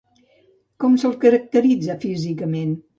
Com se'l caracteritza físicament?